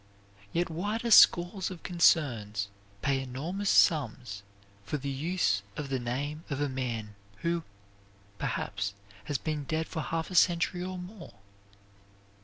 Yet why do scores of concerns pay enormous sums for the use of the name of a man who, perhaps, has been dead for half a century or more?